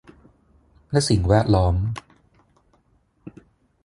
และสิ่งแวดล้อม